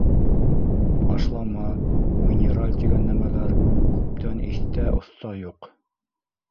Ашлама, минераль тигән нәмәләр күптән иҫтә-оҫта юҡ.